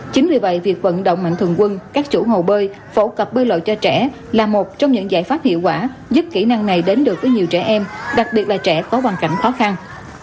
chính vì vậy việc vận động mạnh thường quân các chủ hồ bơi phổ cập bơi lội cho trẻ là một trong những giải pháp hiệu quả giúp kỹ năng này đến được với nhiều trẻ em đặc biệt là trẻ có hoàn cảnh khó khăn